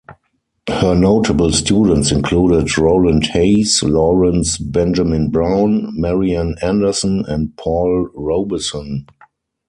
Her notable students included Roland Hayes, Lawrence Benjamin Brown, Marian Anderson, and Paul Robeson.